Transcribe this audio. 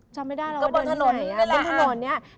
ก็เป้าถนนใช่มั้ยครับ